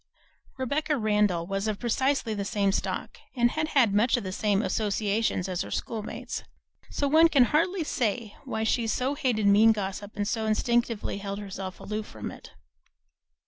Rebecca Randall was of precisely the same stock, and had had much the same associations as her schoolmates, so one can hardly say why she so hated mean gossip and so instinctively held herself aloof from it.